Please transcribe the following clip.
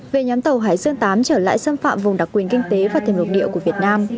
về nhóm tàu hải dương viii trở lại xâm phạm vùng đặc quyền kinh tế và thềm lục địa của việt nam